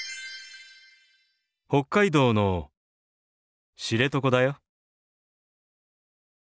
北海道の知床だよ。